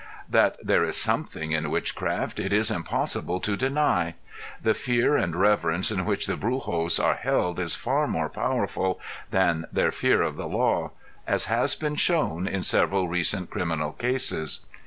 That there is "something" in witchcraft it is impossible to deny. The fear and reverence in which the brujos are held is far more powerful than their fear of the law, as has been shown in several recent criminal cases.